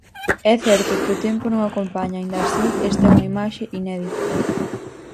É certo que o tempo non acompaña, aínda así, esta é unha imaxe inédita.